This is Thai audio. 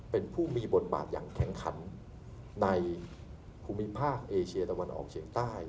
เป็นผู้มีบทบาทอย่างแข็งขันในภูมิภาคเอเชียตะวันออกเฉียงใต้